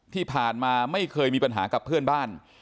ที่ผ่านมาไม่เคยมีปัญหากับเพื่อนบ้าน